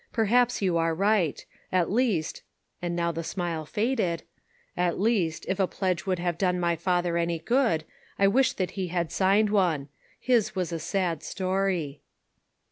*' Perhaps you are right. At least "— and now the smile faded —" at least, if a pledge would have done my father any good, I wish that he had signed one. His was a sad story."